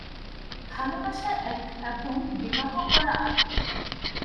ভালোবাসা এক এবং বিবাহ করা আর।